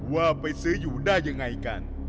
ว่าไปซื้ออยู่ได้ยังไงกัน